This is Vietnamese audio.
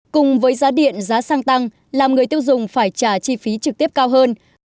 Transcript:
cùng với giá điện giá xăng tăng làm người tiêu dùng phải trả chi phí trực tiếp cao hơn